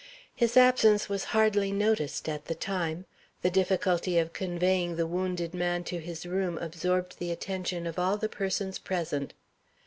His absence was hardly noticed at the time. The difficulty of conveying the wounded man to his room absorbed the attention of all the persons present.